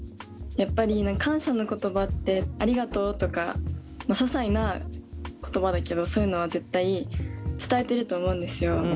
やっぱり感謝の言葉ってありがとうとかささいな言葉だけどそういうのは絶対伝えてると思うんですよ。